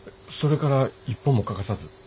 それから一本も欠かさず？